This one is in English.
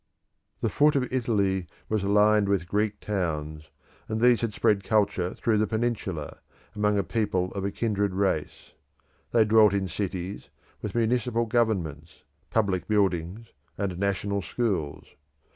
The foot of Italy was lined with Greek towns, and these had spread culture through the peninsula, among a people of a kindred race. They dwelt in cities, with municipal governments, public buildings, and national schools.